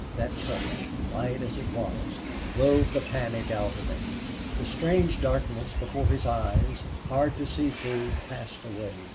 That touch, light as it was, drove the panic out of him. The strange darkness before his eyes, hard to see through, passed away.